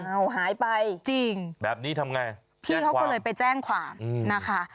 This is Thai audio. หายไปจริงแบบนี้ทำไงพี่เขาก็เลยไปแจ้งความนะคะ